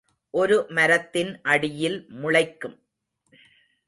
ஒரு மரத்தின் அடியில் முளைக்கும்